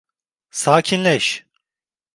Sakinleş!